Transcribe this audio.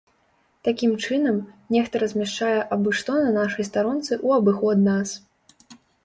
Такім чынам, нехта размяшчае абы-што на нашай старонцы ў абыход нас.